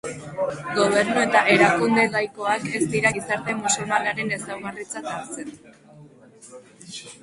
Gobernu eta erakunde laikoak ez dira gizarte musulmanaren ezaugarritzat hartzen.